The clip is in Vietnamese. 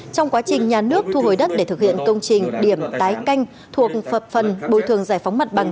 trong quá trình nhà nước thu hồi đất để thực hiện công trình điểm tái canh thuộc phật phần bồi thường giải phóng mặt bằng